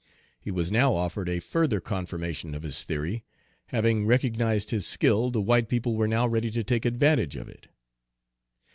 He was now offered a further confirmation of his theory: having recognized his skill, the white people were now ready to take advantage of it.